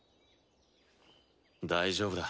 大丈夫だ。